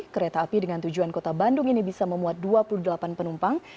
kereta api dengan tujuan kota bandung ini bisa memuat dua puluh delapan penumpang